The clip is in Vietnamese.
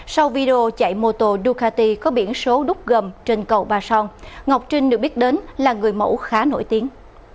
sau video chạy mô tô ducati có biển số đúc gầm trên cầu ba son ngọc trinh được biết đến là người mẫu khá nổi tiếng